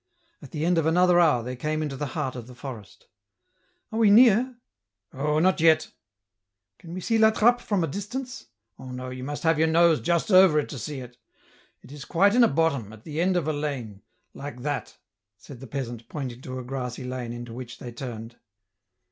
At the end of another hour they came into the heart af the forest. " Are we near ?"" Oh, not yet !"" Can we see La Trappe from a distance ?"" Oh no, you must have your nose just ovei it to see it, it is quite in a bottom, at the end of a lane, like that," said the peasant, pointing to a grassy lane into which they turned.